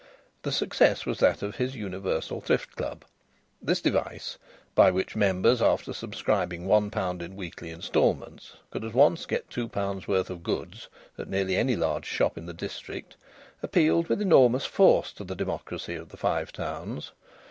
The success was that of his Universal Thrift Club. This device, by which members after subscribing one pound in weekly instalments could at once get two pounds' worth of goods at nearly any large shop in the district, appealed with enormous force to the democracy of the Five Towns.